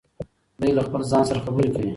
دی له خپل ځان سره خبرې کوي.